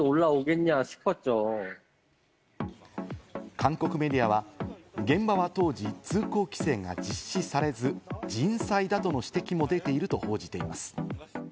韓国メディアは、現場は当時、通行規制が実施されず、人災だとの指摘も出ていると報じています。